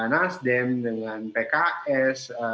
nasdem dengan pks